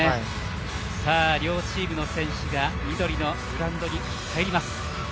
両チームの選手が緑のグラウンドに入ります。